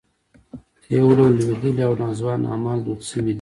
یو ډول لوېدلي او ناځوانه اعمال دود شوي دي.